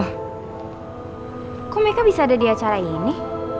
loh kok makeup bisa ada di acara ini